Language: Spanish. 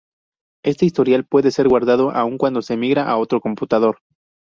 Este historial puede ser guardado aún cuando se migra a otro computador.